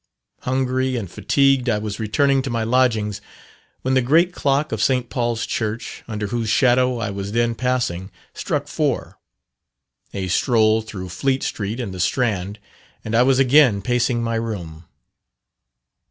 Hungry and fatigued I was returning to my lodgings, when the great clock of St Paul's Church, under whose shadow I was then passing, struck four. A stroll through Fleet Street and the Strand, and I was again pacing my room.